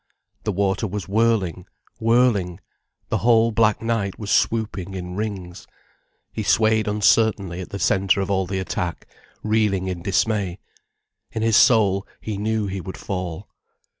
The water was whirling, whirling, the whole black night was swooping in rings. He swayed uncertainly at the centre of all the attack, reeling in dismay. In his soul, he knew he would fall.